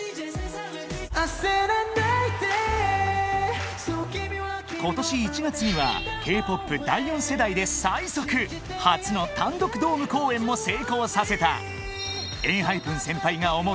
焦らないで今年１月にはＫ−ＰＯＰ第４世代で最速初の単独ドーム公演も成功させたＥＮＨＹＰＥＮ先輩が思う